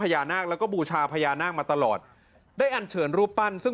พญานาคแล้วก็บูชาพญานาคมาตลอดได้อันเชิญรูปปั้นซึ่ง